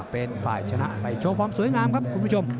เป็นฝ่ายชนะไปโชว์ความสวยงามครับคุณผู้ชม